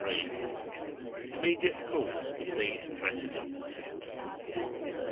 Immediate cause of these precedent Symptoms.